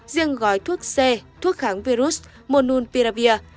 riêng gói thuốc c thuốc kháng virus mononviravir